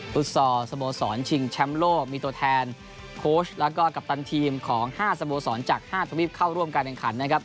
ฟุตซอร์สโมสรชิงแชมลโลมีตัวแทนแล้วก็กัปตันทีมของห้าสโมสรจากห้าทวิปเข้าร่วมการแบ่งขันนะครับ